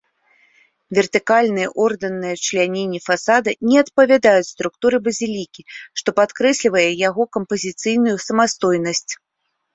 Вертыкальныя ордэрныя чляненні фасада не адпавядаюць структуры базілікі, што падкрэслівае яго кампазіцыйную самастойнасць.